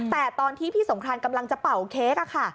แต่ตอนที่พี่สงครานกำลังจะเป่าเค้กค่ะ